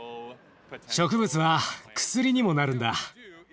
植物は薬にもなるんだ。